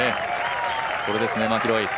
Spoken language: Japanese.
これですね、マキロイ。